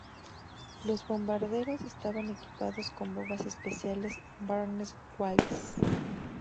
Los bombarderos estaban equipados con bombas especiales Barnes Wallis.